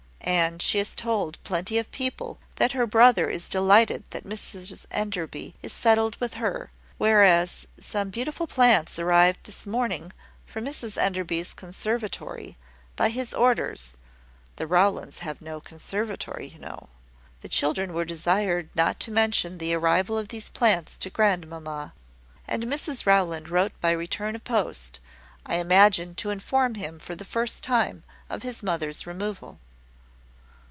And she has told plenty of people that her brother is delighted that Mrs Enderby is settled with her; whereas some beautiful plants arrived this morning for Mrs Enderby's conservatory, by his orders (the Rowlands have no conservatory you know). The children were desired not to mention the arrival of these plants to grandmamma; and Mrs Rowland wrote by return of post I imagine to inform him for the first time of his mother's removal."